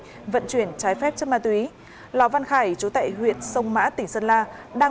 các đối tượng bị bắt là ló văn thanh trú tại huyện sông mã tỉnh sơn la